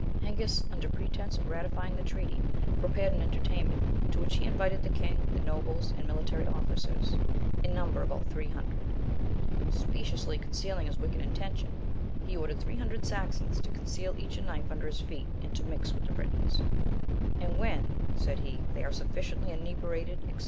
Hengist, under pretence of ratifying the treaty, prepared an entertainment, to which he invited the king, the nobles, and military officers, in number about three hundred; speciously concealing his wicked intention, he ordered three hundred Saxons to conceal each a knife under his feet, and to mix with the Britons; "and when," said he, "they are sufficiently inebriated, &c.